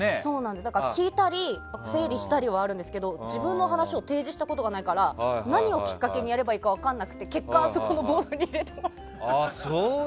だから、聞いたり整理したりはあるんですけど自分の話を提示したことがないから何をきっかけにやればいいか分からなくて、結果あそこのボードに入れてもらって。